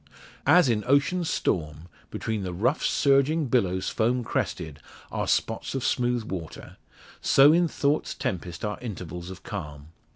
As in ocean's storm, between the rough surging billows foam crested, are spots of smooth water, so in thought's tempest are intervals of calm.